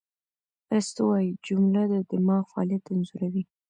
ارسطو وایي، جمله د دماغ فعالیت انځوروي.